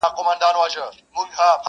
ګورستان ته مي ماشوم خپلوان لېږلي؛